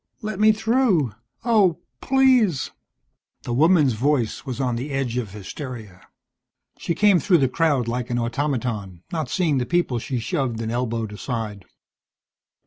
"Let me through! Oh, please " The woman's voice was on the edge of hysteria. She came through the crowd like an automaton, not seeing the people she shoved and elbowed aside.